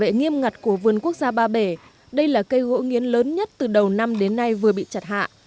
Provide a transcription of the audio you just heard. bảo vệ nghiêm ngặt của vườn quốc gia ba bể đây là cây gỗ nghiến lớn nhất từ đầu năm đến nay vừa bị chặt hạ